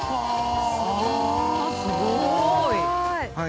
すごい！